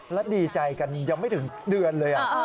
และดีใจกันยังไม่ถึงเดือนเลย